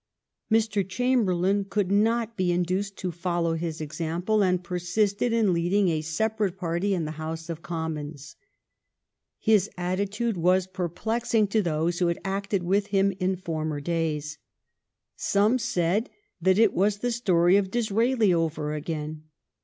Mr. Chamberlain could not be induced to fol low his example, and persisted in leading a sepa rate party in the House of Commons. His attitude was perplexing to those who had acted with him in former days. People of course interpreted it in different ways. Some said that it was the story of Disraeli over again.